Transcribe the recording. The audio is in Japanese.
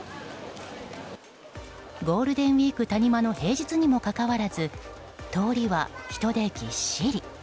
ゴールデンウィーク谷間の平日にもかかわらず通りは、人でぎっしり。